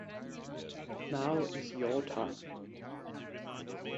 Now is your time.